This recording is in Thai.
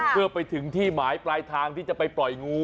เพื่อไปถึงที่หมายปลายทางที่จะไปปล่อยงู